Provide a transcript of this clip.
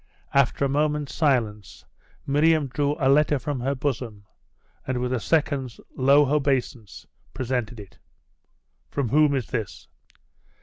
After a moment's silence, Miriam drew a letter from her bosom, and with a second low obeisance presented it. 'From whom is this?